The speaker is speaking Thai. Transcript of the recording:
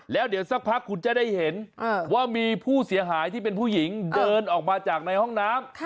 แล้วเดี๋ยวสักพักคุณจะได้เห็นว่ามีผู้เสียหายที่เป็นผู้หญิงเดินออกมาจากในห้องน้ำ